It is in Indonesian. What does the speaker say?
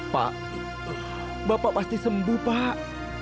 pak bapak pasti sembuh pak